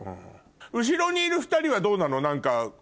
後ろにいる２人はどうなの？